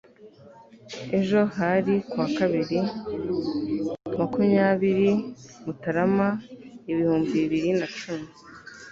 ejo hari kuwa kabiri, makumyabiri mutarama, ibihumbi bibiri na cumi